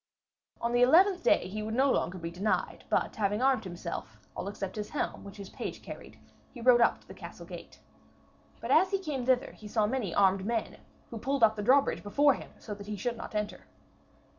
On the eleventh day he would no longer be denied, but having armed himself, all except his helm, which his page carried, he rode up to the castle gate. But as he came thither he saw many armed men, who pulled up the drawbridge before him, so that he should not enter.